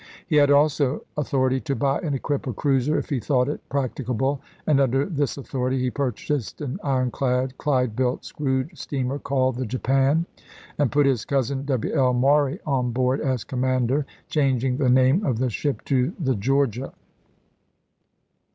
He had also author ity to buy and equip a cruiser if he thought it practicable, and under this authority he purchased an iron clad, Clyde built screw steamer, called the Japan, and put his cousin W. L. Maury on board as commander, changing the name of the ship to the Georgia.